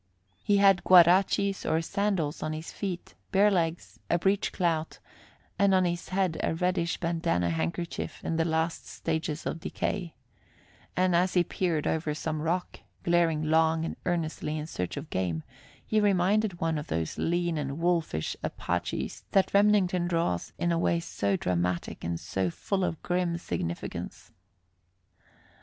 He had guarachis, or sandals, on his feet, bare legs, a breech clout, and on his head a reddish bandanna handkerchief in the last stages of decay; and as he peered over some rock, glaring long and earnestly in search of game, he reminded one of those lean and wolfish Apaches that Remington draws in a way so dramatic and so full of grim significance.